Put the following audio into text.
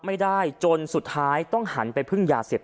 พระเจ้าอาวาสกันหน่อยนะครับ